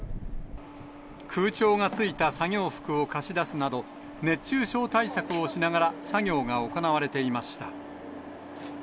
空調がついた作業服を貸し出すなど、熱中症対策をしながら作業が行われていました。